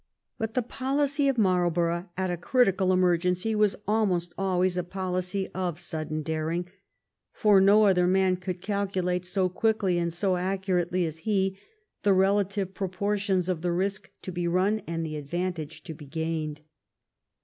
But the policy of Marl borough at a critical emergency was almost always a policy of sudden daring, for no other man could cal culate so quickly and so accurately as he the relative proportions of the risk to be run and the advantage to be gained.